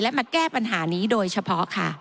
และมาแก้ปัญหานี้โดยเฉพาะค่ะ